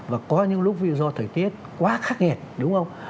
và có những lúc vì do thời tiết quá khắc nghẹt đúng không